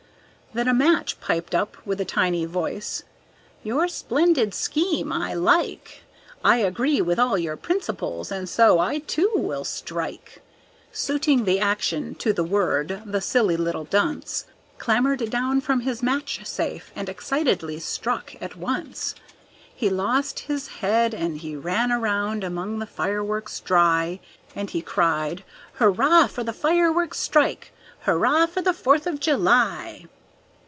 Then a match piped up with a tiny voice, "Your splendid scheme I like. I agree with all your principles and so I, too, will strike!" Suiting the action to the word, the silly little dunce Clambered down from his matchsafe and excitedly struck at once. He lost his head, and he ran around among the fireworks dry, And he cried, "Hurrah for the fireworks' strike! Hurrah for the Fourth of July!"